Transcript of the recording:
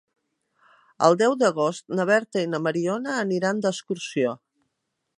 El deu d'agost na Berta i na Mariona aniran d'excursió.